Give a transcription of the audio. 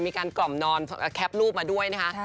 มีการกล่อมนอนแคล็ปรูปมาด้วยนะคะ